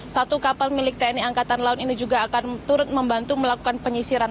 satu kapal milik tni angkatan laut ini juga akan turut membantu melakukan penyisiran